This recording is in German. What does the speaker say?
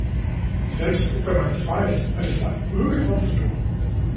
Selbst wenn man es weiß, wird es einem irgendwann zu dumm.